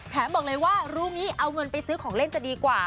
บอกเลยว่ารู้งี้เอาเงินไปซื้อของเล่นจะดีกว่า